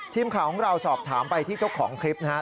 ทีมข่าวของเราสอบถามไปที่เจ้าของคลิปนะครับ